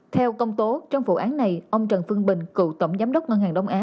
theo công tố trong vụ án này ông trần phương bình cựu tổng giám đốc ngân hàng đông á